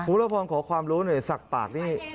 พระพรขอความรู้หน่อยสักปากนี่